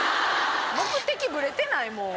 目的ブレてない？